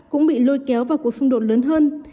cũng bị lôi kéo vào cuộc xung đột lớn hơn